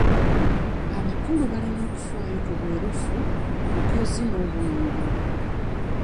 "Abakulu balina okufaayo ku bwerufu, obukozi n'obwangu."